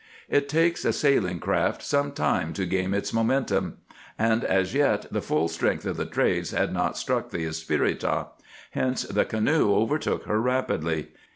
It takes a sailing craft some time to gain its momentum, and as yet the full strength of the trades had not struck the Espirita; hence the canoe overtook her rapidly.